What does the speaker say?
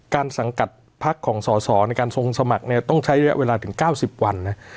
สังกัดพักของสอสอในการทรงสมัครเนี่ยต้องใช้ระยะเวลาถึง๙๐วันนะ